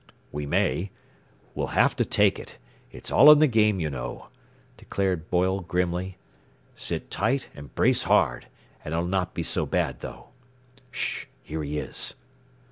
"We may. We'll have to take it. It's all in the game you know," declared Boyle grimly. "Sit tight and brace hard, and it'll not be so bad, though. "Sh! Here he is!"